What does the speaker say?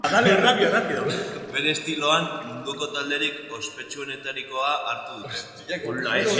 Bere estiloan, munduko talderik ospetsuenetarikoa hartu dute.